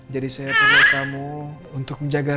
jadi saya panggil kamu untuk menjaga rina